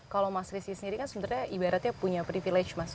kalau mas rizky sendiri kan sebenarnya ibaratnya punya privilege mas